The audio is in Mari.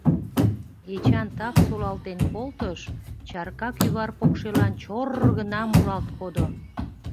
Эчан так солалтен колтыш — чарка кӱвар покшелан чор-р гына муралт кодо.